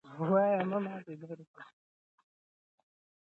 هغه موږکان چې د انسان بکتریاوې لري، نوي چاپېریال ته ښه تطابق شو.